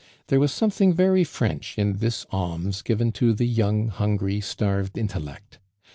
There was something very French in this alms given to the young, hungry, starved intellect.